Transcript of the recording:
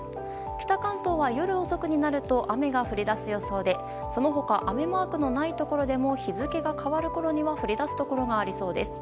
北関東は夜遅くになると雨が降り出す予想でその他雨マークのないところでも日付が変わるころには降り出すところがありそうです。